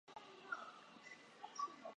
一気にオワコンになったな